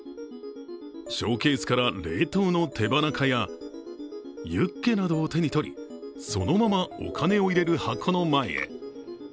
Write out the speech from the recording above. ショーケースから冷凍の手羽中やユッケなどを手に取りそのままお金を入れる箱の前へ。